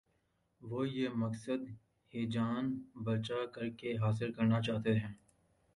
وہ یہ مقصد ہیجان برپا کر کے حاصل کرنا چاہتے ہیں۔